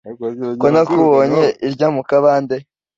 Ko nakubonye irya mu kabande